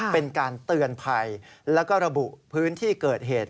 เป็นการเตือนภัยแล้วก็ระบุพื้นที่เกิดเหตุ